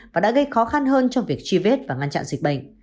và đã gây khó khăn hơn trong việc truy vết và ngăn chặn dịch bệnh